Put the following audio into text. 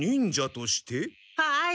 はい。